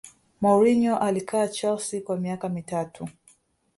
mourinho alikaa chelsea kwa miaka mitatu